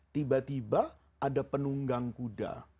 tiba tiba ada penunggang kuda